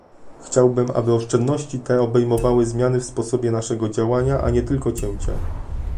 Chciałbym, aby oszczędności te obejmowały zmiany w sposobie naszego działania a nie tylko cięcia